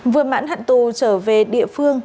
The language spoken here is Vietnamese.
vừa mãn hạn tù trở về địa phương